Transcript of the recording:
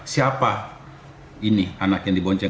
siapa ini anak yang dibonceng